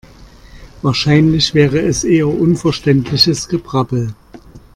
Wahrscheinlich wäre es eher unverständliches Gebrabbel.